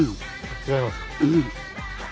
違います？